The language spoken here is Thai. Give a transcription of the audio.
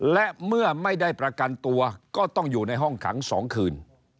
และเมื่อไม่ได้ประกันตัวก็ต้องอยู่ในห้องขัง๒คืน